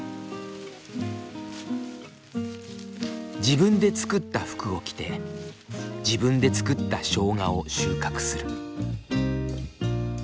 自分で作った服を着て自分で作ったしょうがを収穫する。